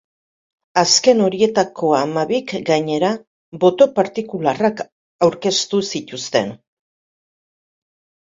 Azken horietako hamabik, gainera, boto partikularrak aurkeztu zituzten.